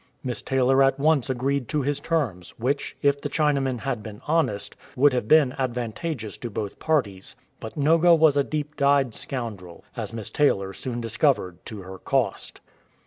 Miss Taylor at once agreed to his terms, which, if the Chinaman had been honest, would have been advantageous to both parties. But Noga was a deep dyed scoundrel, as Miss Taylor soon discovered to her cost.